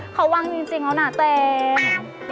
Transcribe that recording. เขาวางจริงแล้วน่ะตัวเอง